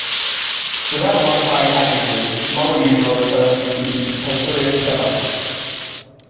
Without a modifying adjective, molly usually refers to the species "Poecilia sphenops".